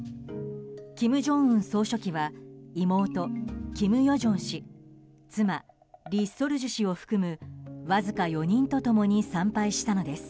金正恩総書記は妹・金与正氏妻リ・ソルジュ氏を含むわずか４人と共に参拝したのです。